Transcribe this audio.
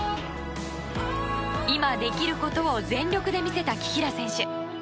今できることを全力で見せた紀平選手。